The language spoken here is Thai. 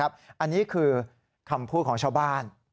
อันนี้คือคำพูดของชาวบ้าน